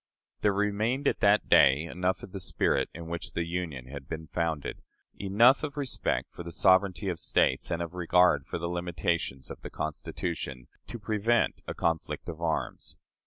There remained at that day enough of the spirit in which the Union had been founded enough of respect for the sovereignty of States and of regard for the limitations of the Constitution to prevent a conflict of arms.